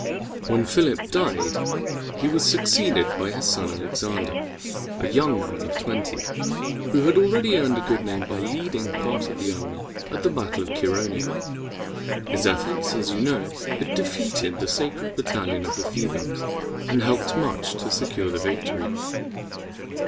When Philip died, he was succeeded by his son Alexander, a young man of twenty, who had already earned a good name by leading part of the army at the battle of Chæronea. His efforts, as you know, had defeated the Sacred Battalion of the Thebans, and helped much to secure the victory.